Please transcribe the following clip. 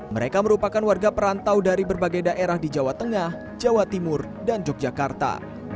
mereka merupakan warga perantau dari berbagai daerah di jawa tengah jawa timur dan yogyakarta